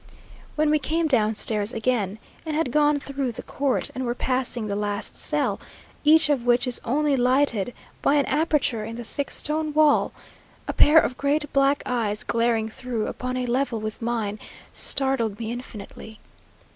When we came downstairs again, and had gone through the court, and were passing the last cell, each of which is only lighted by an aperture in the thick stone wall, a pair of great black eyes glaring through, upon a level with mine, startled me infinitely.